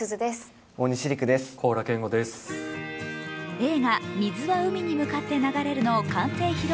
映画「水は海に向かって流れる」の完成披露